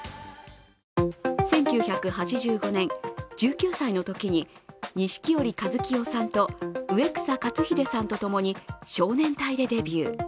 １９８５年、１９歳のときに錦織一清さんと植草克秀さんとともに少年隊でデビュー。